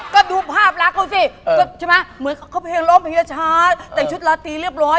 ก็ดูภาพรักเขาสิเหมือนเขาเพลงร้องเพียชาแต่ชุดลาตีเรียบร้อย